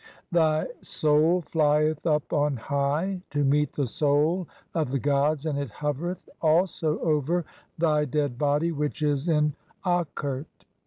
Thy soul flieth up on high to "meet the soul of the gods, and it hovereth also over "thy dead body which is in Akert.